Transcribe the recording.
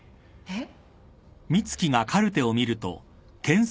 えっ？